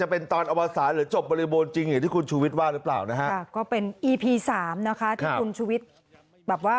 เป็นเรื่องที่ผมมีความเสียหาย